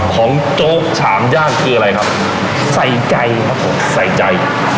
โจ๊กฉามย่างคืออะไรครับใส่ใจครับผมใส่ใจ